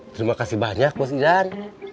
terima kasih banyak bos idan